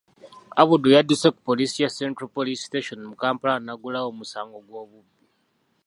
Abdul yadduse ku Poliisi ya Central Police Station mu Kampala n'aggulawo omusango gw'obubbi.